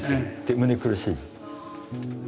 で胸苦しい？